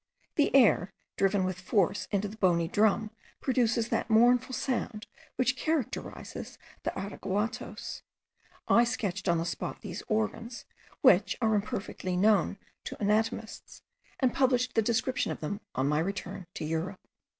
The air driven with force into the bony drum produces that mournful sound which characterises the araguatoes. I sketched on the spot these organs, which are imperfectly known to anatomists, and published the description of them on my return to Europe.